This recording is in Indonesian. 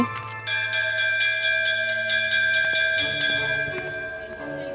jika tidak aku berjumpa denganmu lebih dulu